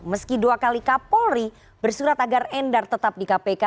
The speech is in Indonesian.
meski dua kali kapolri bersurat agar endar tetap di kpk